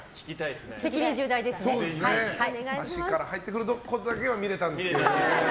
足から入ってくるところだけは見えたんですけど。